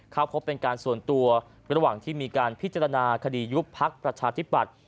เข้าพบเป็นการส่วนตัวระหว่างที่มีการพิจารณาคดียุบพักประชาธิปัตย์